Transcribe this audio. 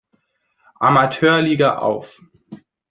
Amateurliga auf.